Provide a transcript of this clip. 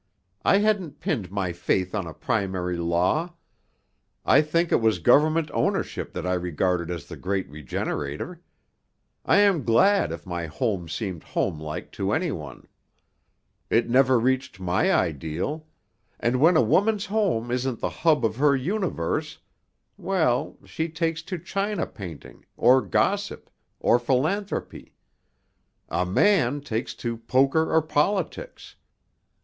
I hadn't pinned my faith on a primary law; I think it was government ownership that I regarded as the great regenerator. I am glad if my home seemed homelike to any one; it never reached my ideal; and when a woman's home isn't the hub of her universe, well, she takes to china painting, or gossip, or philanthropy; a man takes to poker or politics.